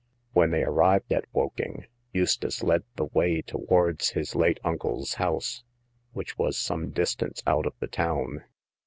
When they arrived at Woking, Eustace led the way towards his late uncle's house, which was some distance out of the town.